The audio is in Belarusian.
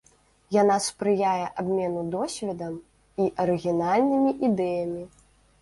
Яна спрыяе абмену досведам і арыгінальнымі ідэямі.